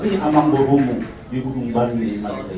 di gunung baringin mandeli